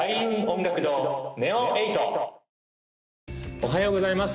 おはようございます